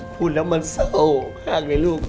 พูดแล้วมันเศร้ามากเลยลูก